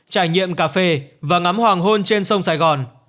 trải nghiệm cà phê và ngắm hoàng hôn trên sông sài gòn